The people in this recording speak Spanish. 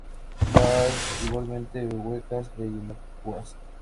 Todas igualmente huecas e inocuas.